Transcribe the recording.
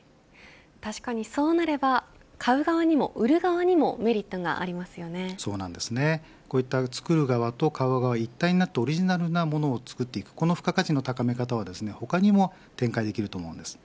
確かにそうなれば買う側にも売る側にも作る側と買う側が一体になってオリジナルなものを作るこの付加価値の高め方は他にも展開できると思うんです。